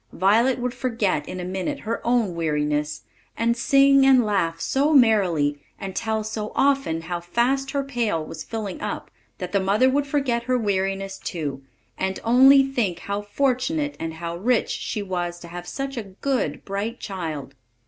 Violet would forget in a minute her own weariness, and sing and laugh so merrily, and tell so often how fast her pail was filling up, that the mother would forget her weariness too, and only think how fortunate and how rich she was to have such a good, bright child.